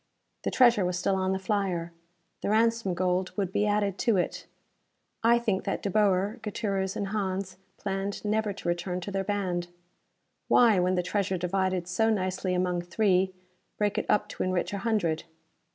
The treasure was still on the flyer. The ransom gold would be added to it. I think that De Boer, Gutierrez and Hans planned never to return to their band. Why, when the treasure divided so nicely among three, break it up to enrich a hundred?